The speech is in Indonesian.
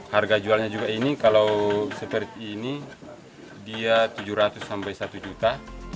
harga jualnya juga ini kalau seperti ini dia tujuh ratus sampai satu juta